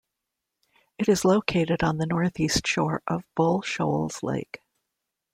It is located on the northeast shore of Bull Shoals Lake.